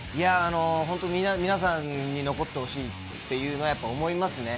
本当、皆さんに残ってほしいっていうのは、やっぱ思いますね。